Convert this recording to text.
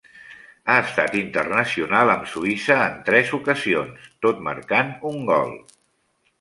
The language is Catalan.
Ha estat internacional amb Suïssa en tres ocasions, tot marcant un gol.